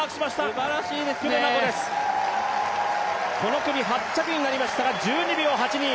この組８着になりましたが１２秒８２。